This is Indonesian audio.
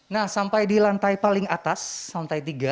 nah sampai di lantai paling atas lantai tiga